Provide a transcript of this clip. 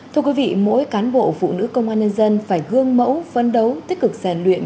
thưa quý vị mỗi cán bộ phụ nữ công an nhân dân phải gương mẫu phân đấu tích cực rèn luyện